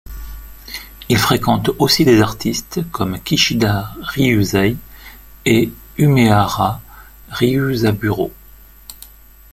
Il fréquente aussi des artistes comme Kishida Ryūsei et Umehara Ryūzaburō.